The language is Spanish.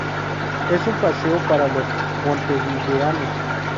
Es un paseo para los montevideanos.